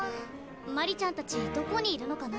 鞠莉ちゃんたちどこにいるのかな。